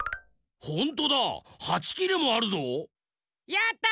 やった！